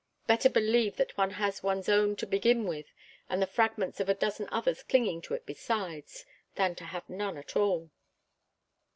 Better believe that one has one's own to begin with, and the fragments of a dozen others clinging to it besides, than to have none at all."